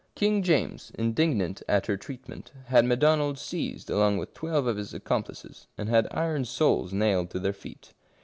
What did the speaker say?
King James, indignant at her treatment, had M'Donald seized along with twelve of his accomplices, and had iron soles nailed to their feet.